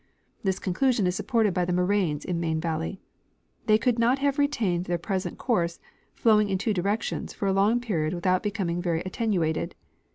This conclusion is supported by the moraines in main valley. They could not have retained their present course, flowing iij two directions, for a long period Avithout becoming very attenuated.